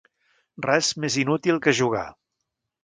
Res més inútil que jugar.